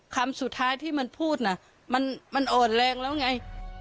คำสุดท้ายที่มันพูดน่ะมันอ่อนแรงแล้วไง